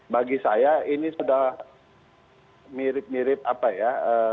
bagi saya ini sudah mirip mirip apa ya